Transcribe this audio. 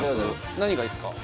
何がいいっすか？